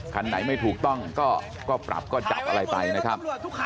คันไหนไม่ถูกต้องก็ปรับก็จับอะไรไปนะครับ